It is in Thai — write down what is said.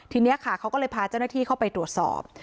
ทีนี้ค่ะเขาก็เลยพาเจ้าหน้าที่เข้าไปตรวจสอบ